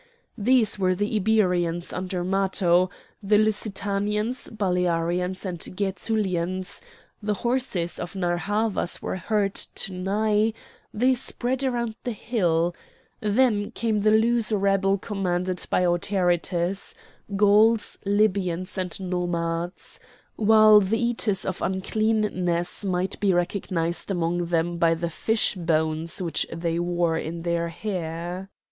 These were the Iberians under Matho, the Lusitanians, Balearians, and Gætulians; the horses of Narr' Havas were heard to neigh; they spread around the hill; then came the loose rabble commanded by Autaritus—Gauls, Libyans, and Nomads; while the Eaters of Uncleanness might be recognised among them by the fish bones which they wore in their hair.